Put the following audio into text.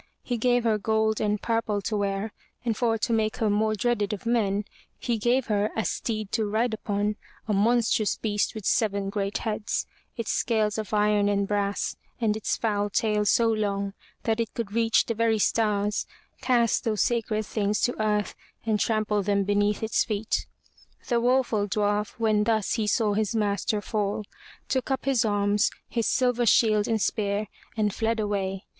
He gave her gold and purple to wear and for to make her more dreaded of men, he gave her as steed to ride upon a monstrous beast with seven great heads, its scales of iron and brass and its foul tail so long that it could reach the very stars, cast those sacred things to earth and trample them beneath its feet. The woful dwarf when thus he saw his master fall, took up his arms, his silver shield and spear, and fled away.